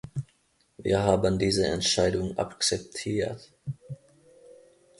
Wir haben diese Entscheidung akzeptiert.